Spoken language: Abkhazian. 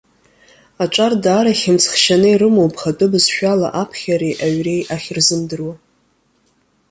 Аҿар даара ихьымӡӷшьаны ирымоуп хатәы бызшәала аԥхьа реи аҩреи ахьырзымдыруа.